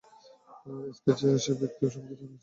স্কেচের সেই ব্যাক্তি সম্পর্কে জানা গেছে।